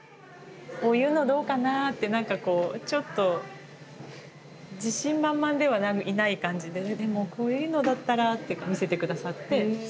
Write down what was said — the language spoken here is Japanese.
「こういうのどうかな？」って何かこうちょっと自信満々ではいない感じで「でもこういうのだったら」って見せて下さって。